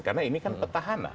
karena ini kan petahana